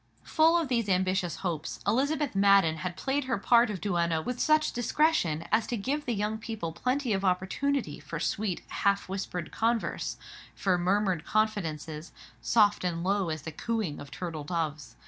Full of these ambitious hopes, Elizabeth Madden had played her part of duenna with such discretion as to give the young people plenty of opportunity for sweet, half whispered converse, for murmured confidences, soft and low as the cooing of turtle doves.